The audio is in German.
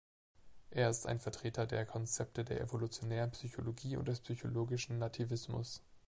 Er ist ein Vertreter der Konzepte der evolutionären Psychologie und des psychologischen Nativismus.